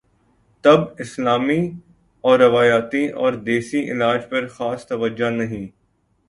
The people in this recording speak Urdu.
طب اسلامی اور روایتی اور دیسی علاج پرخاص توجہ نہیں